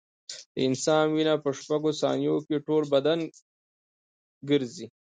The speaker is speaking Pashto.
د انسان وینه په شپږو ثانیو کې ټول بدن ګرځي.